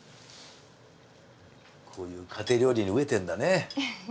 こういう家庭料理に飢えてんだね。